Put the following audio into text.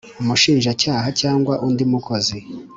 umushinjacyaha cyangwa undi mukozi